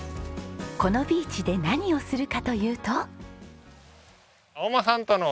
このビーチで何をするかというと。